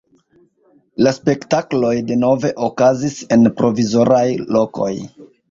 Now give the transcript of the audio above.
La spektakloj denove okazis en provizoraj lokoj.